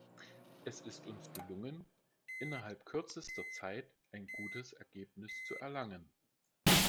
Es ist uns gelungen, innerhalb kürzester Zeit ein gutes Ergebnis zu erlangen.